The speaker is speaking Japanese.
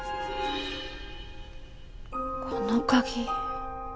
この鍵。